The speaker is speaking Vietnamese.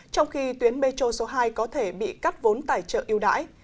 trong khi tuyến metro số hai có thể bị cắt vốn tài trợ yêu đãi